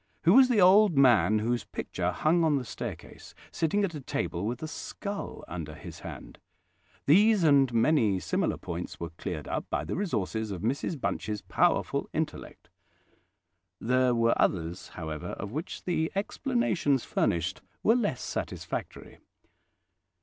Who was the old man whose picture hung on the staircase, sitting at a table, with a skull under his hand?" These and many similar points were cleared up by the resources of Mrs Bunch's powerful intellect. There were others, however, of which the explanations furnished were less satisfactory.